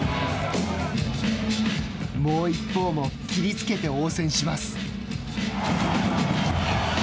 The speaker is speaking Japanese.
もう一方も切りつけて応戦します。